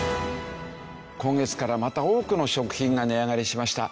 今月からまた多くの食品が値上がりしました。